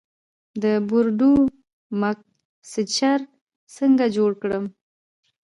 د بورډو مکسچر څنګه جوړ کړم؟